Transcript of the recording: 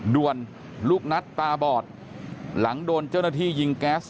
ด่วนลูกนัดตาบอดหลังโดนเจ้าหน้าที่ยิงแก๊ส